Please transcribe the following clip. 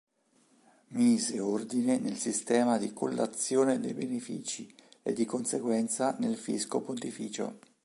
Mise ordine nel sistema di collazione dei benefici e di conseguenza nel fisco pontificio.